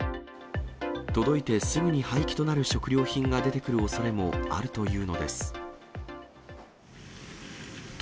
届いてすぐに廃棄となる食料品も出てくるおそれもあるというのです。